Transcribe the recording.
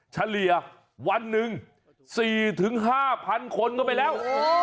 เฉลี่ยวันหนึ่ง๔๕๐๐คนเข้าไปแล้ว